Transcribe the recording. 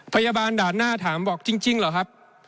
ด่านหน้าถามบอกจริงเหรอครับ